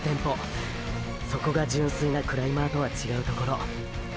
そこが純粋なクライマーとは違うところ。